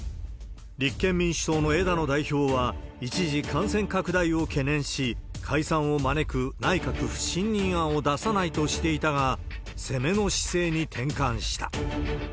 立憲民主党の枝野代表は、一時感染拡大を懸念し、解散を招く内閣不信任案を出さないとしていたが、攻めの姿勢に転換した。